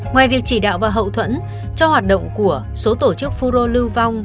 ngoài việc chỉ đạo và hậu thuẫn cho hoạt động của số tổ chức phun rô lưu vong